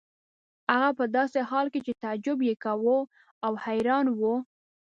هغه په داسې حال کې چې تعجب یې کاوه او حیران و.